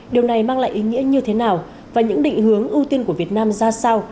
điều này mang lại ý nghĩa như thế nào và những định hướng ưu tiên của việt nam ra sao